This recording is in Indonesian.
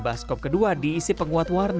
masukkan baskom kedua diisi penguat warna